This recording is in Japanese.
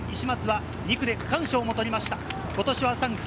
去年、石松は２区で区間賞も取りました。